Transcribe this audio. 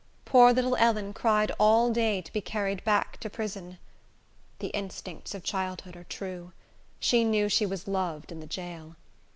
Poor little Ellen cried all day to be carried back to prison. The instincts of childhood are true. She knew she was loved in the jail.